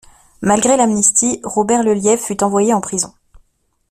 Malgré l'amnistie, Robert Lelièvre fut envoyé en prison.